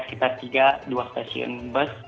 sekitar tiga dua stasiun bus